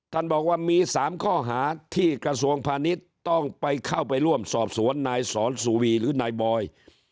ท่านบอกว่ามี๓ข้อหาที่กระทรวงพาณิชย์ต้องไปเข้าไปร่วมสอบสวนนายสอนสุวีหรือนายบอย